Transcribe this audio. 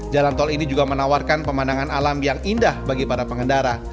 jalan tol ini juga menawarkan pemandangan alam yang indah bagi para pengendara